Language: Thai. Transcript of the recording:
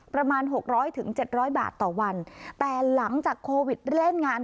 หกร้อยถึงเจ็ดร้อยบาทต่อวันแต่หลังจากโควิดเล่นงาน